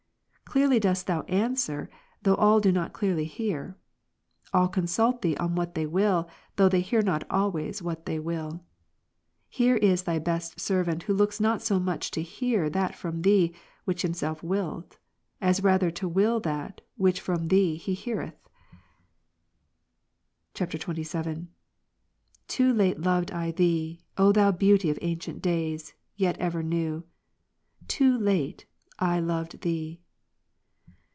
Clearly dost Thou answer, though all do not clearly hear. All consult Thee on what they will, though they hear not always what they will. He is Thy best servant, who looks not so much to hear that from Thee, which himself willeth ; as rather to will that, which from Thee he heareth. [XXVII.] 38. Too late loved I Thee, O Thou Beauty of ancient days, yet ever new ! too late I loved Thee